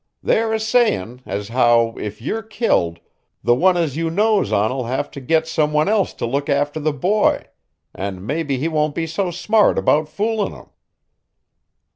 "They're a sayin' as how, if you're killed, the one as you knows on'll have to git some one else to look after the boy, and mebbe he won't be so smart about foolin' them."